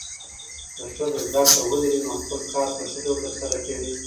که ښځه زده کړه ولري، نو خپل کار په ښه ډول ترسره کوي.